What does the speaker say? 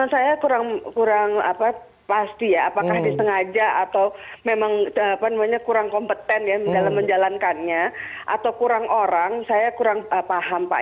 saya kurang pasti ya apakah disengaja atau memang kurang kompeten ya dalam menjalankannya atau kurang orang saya kurang paham pak